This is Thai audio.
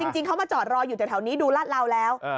จริงเขามาจอดรออยู่แถวนี้ดูลาดเหลาแล้ว